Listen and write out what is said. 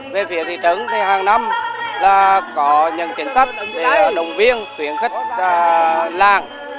về phía thị trấn hàng năm có những kiến sách để đồng viên tuyển khích làng